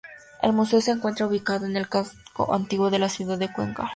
El Museo se encuentra ubicado en el Casco Antiguo de la ciudad de Cuenca.